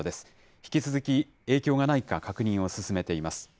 引き続き影響がないか、確認を進めています。